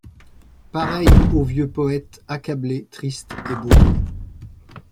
Pareil au vieux poëte, accablé, triste et beau